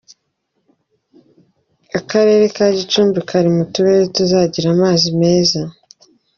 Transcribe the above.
Akarere ka Gicumbi kari mu turere tutagira amazi meza.